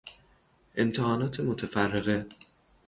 امتحانات متفرقه